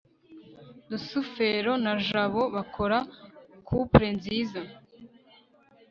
rusufero na jabo bakora couple nziza